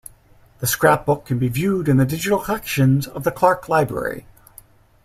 The Scrap book can be viewed in the Digital Collections of the Clark Library.